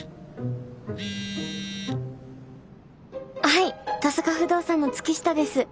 はい登坂不動産の月下です。